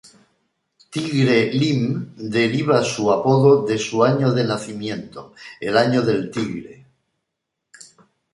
Tigre Lim deriva su apodo de su año de nacimiento, el Año del Tigre.